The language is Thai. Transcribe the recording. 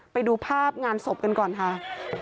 ไปดูภาพงานศพกันก่อนค่ะ